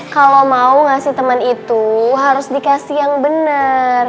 kalau mau ngasih temen itu harus dikasih yang bener